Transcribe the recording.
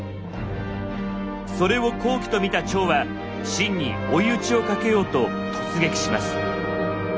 それを好機と見た趙は秦に追い打ちをかけようと突撃します。